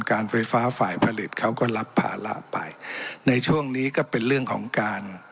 การไฟฟ้าฝ่ายผลิตเขาก็รับภาระไปในช่วงนี้ก็เป็นเรื่องของการ